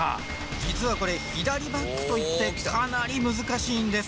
実はこれ左バックといってかなり難しいんです